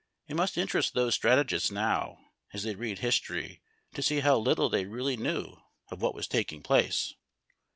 It must interest those strategists now, as they read history, to see how little they really knew of what was taking place.